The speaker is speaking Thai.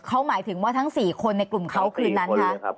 เขาหมายถึงว่าทั้ง๔คนในกลุ่มเขาคืนนั้นคะ